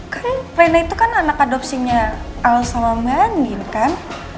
kan rena itu kan anak adopsinya elsa sama mbak andin kan